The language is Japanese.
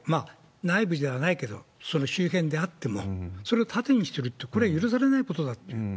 内部ではないけど、その周辺であっても、それを盾にしてるって、これは許されないことだっていう。